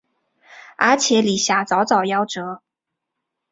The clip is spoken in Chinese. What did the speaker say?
而且李遐早早夭折。